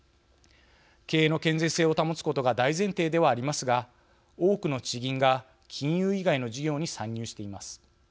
経営の健全性を保つことが大前提ではありますが多くの地銀が金融以外の事業に参入しています。